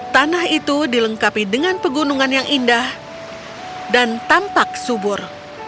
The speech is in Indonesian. tanah itu dilengkapi dengan pegunungan yang indah dan tampak subur